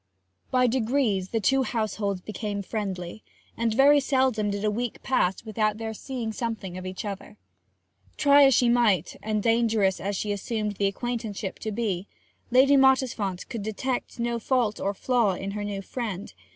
By degrees the two households became friendly, and very seldom did a week pass without their seeing something of each other. Try as she might, and dangerous as she assumed the acquaintanceship to be, Lady Mottisfont could detect no fault or flaw in her new friend.